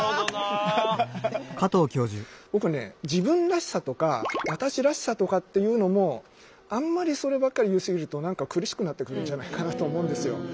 僕ね自分らしさとか私らしさとかっていうのもあんまりそればっかり言い過ぎると苦しくなってくるんじゃないかなと思うんですよ。